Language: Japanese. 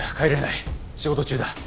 仕事中だ。